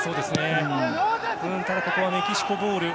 ただここはメキシコボール。